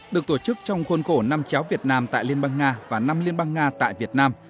được tổ chức trong khuôn khổ năm cháo việt nam tại liên bang nga và năm liên bang nga tại việt nam